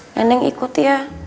neneng ikut ya